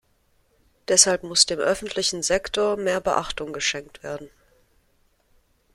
Deshalb muss dem öffentlichen Sektor mehr Beachtung geschenkt werden.